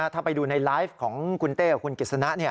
ถ้าไปดูในไลฟ์ของคุณเต้กับคุณกิจสนะ